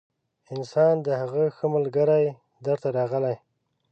انسان د هغه ښه ملګري در ته راغلی